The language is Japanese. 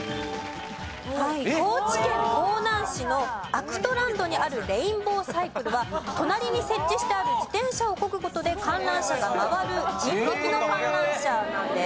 はい高知県香南市のアクトランドにあるレインボーサイクルは隣に設置してある自転車をこぐ事で観覧車がまわる人力の観覧車なんです。